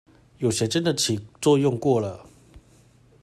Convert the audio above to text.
有誰真的起作用過了